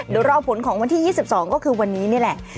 เดี๋ยวรอผลของวันที่๒๒ก็คือวันนี้นี่แหละ